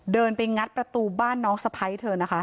เดินไปงัดประตูบ้านน้องสะพ้ายเธอนะคะ